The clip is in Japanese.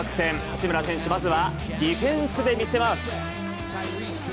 八村選手、まずはディフェンスで魅せます。